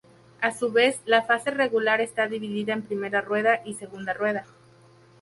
A su vez la fase regular está dividida en primera rueda y segunda rueda.